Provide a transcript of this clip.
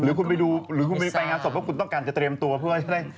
หรือคุณไปดูหรือคุณไปงานศพเพราะคุณต้องการจะเตรียมตัวเพื่อจะได้